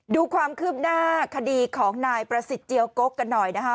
ดูความคืบหน้าคดีของนายประสิทธิ์เจียวกกกันหน่อยนะคะ